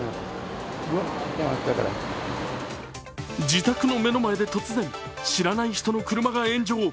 自宅の目の前で突然、知らない人の車が炎上。